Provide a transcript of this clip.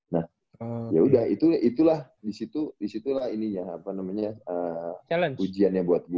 nah yaudah itulah di situlah ini ya apa namanya ujiannya buat gue